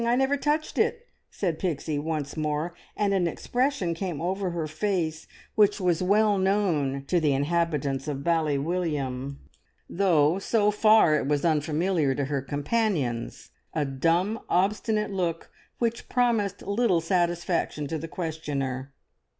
I never touched it!" said Pixie once more, and an expression came over her face which was well known to the inhabitants of Bally William, though so far it was unfamiliar to her companions a dumb, obstinate look which promised little satisfaction to the questioner.